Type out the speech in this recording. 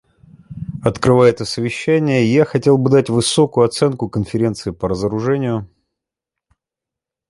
Открывая это совещание я хотел бы дать высокую оценку Конференции по разоружению.